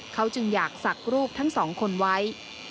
เขาจึงอยากศักดิ์รูปทั้งสองคนไว้